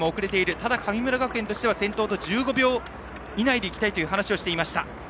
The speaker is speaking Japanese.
ただ、神村学園としては先頭と１５秒以内でいきたいという話をしていました。